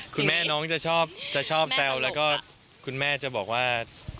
คุณแม่น้องจะชอบจะชอบแซวแล้วก็คุณแม่จะบอกว่า